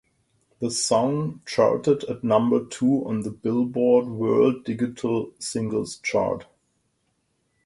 The song charted at number two on the "Billboard" World Digital Singles chart.